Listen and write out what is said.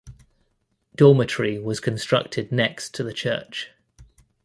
Dormitory was constructed next to the church.